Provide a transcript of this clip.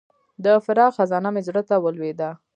د فراق خزانه مې زړه ته ولوېده.